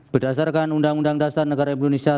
berdasarkan undang undang dasar negara indonesia